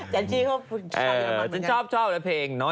จันทรีย์เขาชอบเยอรมันเหมือนกัน